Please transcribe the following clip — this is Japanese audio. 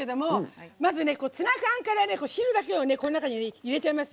まず、ツナ缶から汁だけをこの中に入れちゃいます。